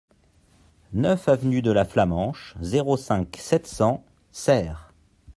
neuf avenue de la Flamenche, zéro cinq, sept cents Serres